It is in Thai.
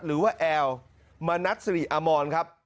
หรือว่าแอลมณัฐสิริอมรครับ